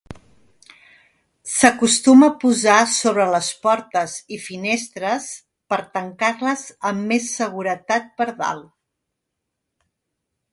S'acostuma a posar sobre les portes i finestres per tancar-les amb més seguretat per dalt.